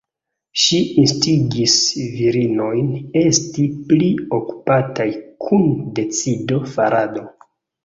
Ŝi instigis virinojn esti pli okupataj kun decido-farado.